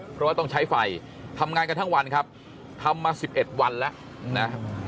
เพราะว่าต้องใช้ไฟทำงานกันทั้งวันครับทำมา๑๑วันแล้วนะ